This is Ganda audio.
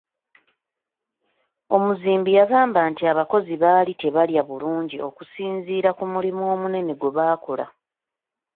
Omuzimbi yagamba nti abakozi baali tebalya bulungi okusinziira ku mulimu omunene gwe bakola.